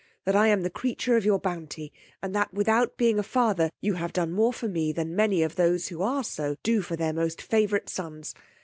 That I am the creature of your bounty, and that, without being a father, you have done more for me than many of those, who are so, do for their most favourite sons.